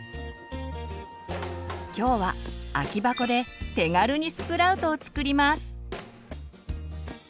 今日は空き箱で手軽にスプラウトをつくります。